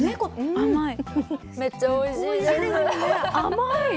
甘い。